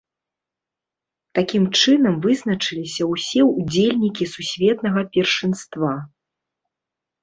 Такім чынам вызначыліся ўсе удзельнікі сусветнага першынства.